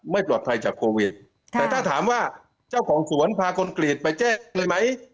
ไม่ปลอดภัยจากโควิดแต่ถ้าถามว่าเจ้าของสวนพาคนกรีตไปแจ้งเลยไหม